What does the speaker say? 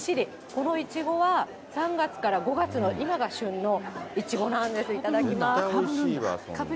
このいちごは３月から５月の今が旬のいちごなんです。